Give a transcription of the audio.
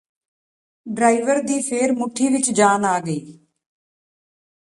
driver ਦੀ ਫੇਰ ਮੁੱਠੀ ਵਿੱਚ ਜਾਨ ਆ ਗਈ